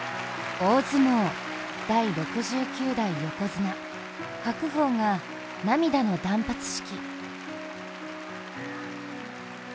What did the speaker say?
大相撲・第６９代横綱、白鵬が涙の断髪式。